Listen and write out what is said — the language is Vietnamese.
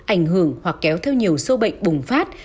ảnh hưởng hoặc kéo theo nhiều sâu bệnh bùng phát